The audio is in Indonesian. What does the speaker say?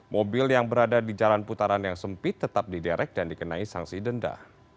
mobil yang berada di jalan putaran yang sempit tetap diderek dan dikenai sanksi denda